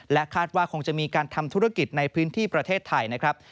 คาดว่าคงจะมีการทำธุรกิจในพื้นที่ประเทศไทยนะครับ